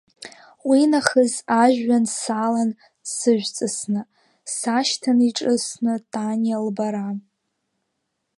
Уинахыс ажәҩан салан сыжәҵысны, сашьҭан иҿыцны таниа лбара.